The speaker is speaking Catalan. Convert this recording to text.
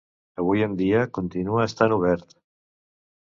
Avui en dia, continua estant obert.